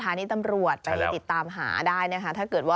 เอาล่ะถ้าคุณผู้ชมรู้สึกว่าเธกเป็นเจ้าของอยู่แถวนั้น